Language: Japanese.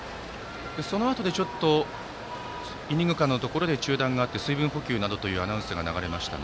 そのあとでちょっとイニング間のところで中断があって水分補給などとアナウンスが流れました。